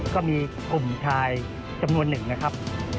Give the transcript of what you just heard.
ก็มีกลุ่มชายจำนวนหนึ่งนะครับ